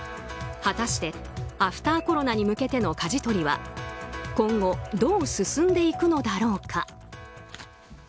果たして、アフターコロナに向けてのかじ取りは今後、どう進んでいくのだろうか。